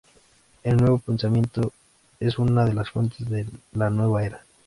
El Nuevo Pensamiento es una de las fuentes de la Nueva Era.